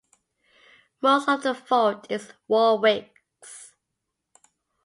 Most of the fault is Warwick’s.